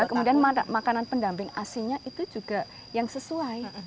kemudian makanan pendamping asinnya itu juga yang sesuai